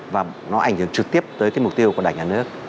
và nó ảnh hưởng trực tiếp tới cái mục tiêu của đảng nhà nước